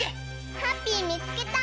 ハッピーみつけた！